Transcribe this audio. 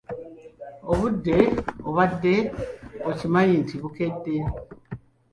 Obudde obadde okimanyi nti bukedde?